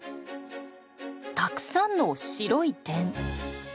たくさんの白い点。